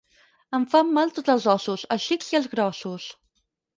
Em fan mal tots els ossos, els xics i els grossos!